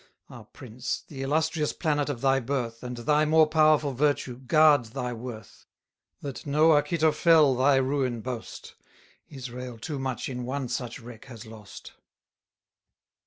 Ah, prince! the illustrious planet of thy birth, And thy more powerful virtue, guard thy worth! 1000 That no Achitophel thy ruin boast; Israel too much in one such wreck has lost.